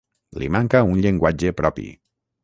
Li manca un llenguatge propi.